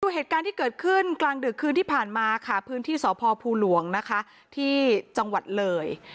เหตุการณ์ที่เกิดขึ้นกลางดึกคืนที่ผ่านมาค่ะพื้นที่สพภูหลวงนะคะที่จังหวัดเลย